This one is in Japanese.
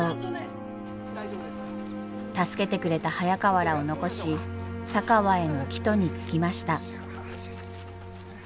助けてくれた早川らを残し佐川への帰途につきました。